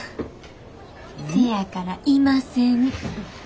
せやからいません。